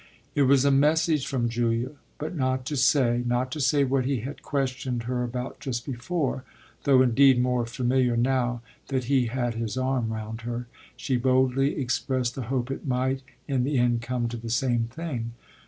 It was a message from Julia, but not to say not to say what he had questioned her about just before; though indeed, more familiar now that he had his arm round her, she boldly expressed the hope it might in the end come to the same thing.